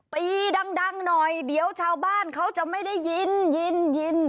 ตีดังหน่อยเดี๋ยวชาวบ้านเขาจะไม่ได้ยินยินยิน